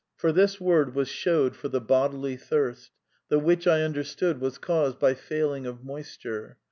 "For this word was shewed for the bodily thirst: the which I understood was caused by failing of moisture.